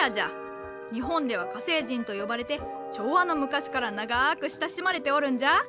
日本では「火星人」と呼ばれて昭和の昔から長く親しまれておるんじゃ。